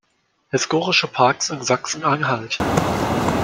Historische Parks in Sachsen-Anhalt".